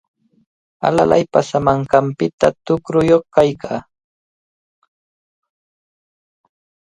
Alalay paasamanqanpita tuqruyuq kaykaa.